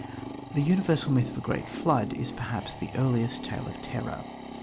The universal myth of a great flood is perhaps the earliest tale of terror.